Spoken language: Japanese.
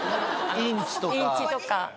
インチとか。